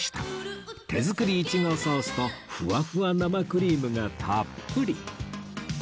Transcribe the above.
手作りイチゴソースとふわふわ生クリームがたっぷり！